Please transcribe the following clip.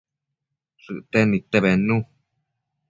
Shëcten nidte bednu